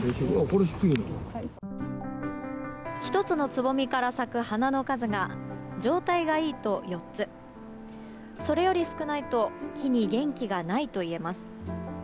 １つのつぼみから咲く花の数が状態がいいと４つそれより少ないと木に元気がないといえます。